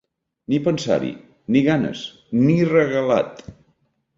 Ni pensar-hi! Ni ganes! Ni regalat!